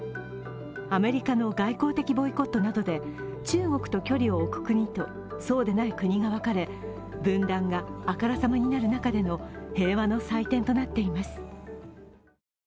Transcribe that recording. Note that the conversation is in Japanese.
アメリカの外交的ボイコットなどで中国と距離を置く国とそうでない国が分かれ、分断があからさまになる中での平和の祭典となっています。